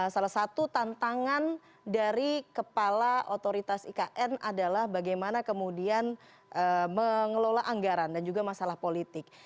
salah satu tantangan dari kepala otoritas ikn adalah bagaimana kemudian mengelola anggaran dan juga masalah politik